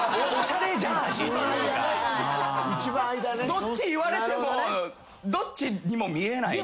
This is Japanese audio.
どっち言われてもどっちにも見えない。